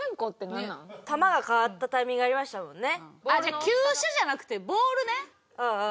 球が変わったタイミングありましたもんね。